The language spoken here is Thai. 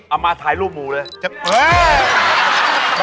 เอามาถ่ายรูปหมูเลย